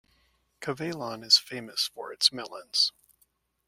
Cavaillon is famous for its melons.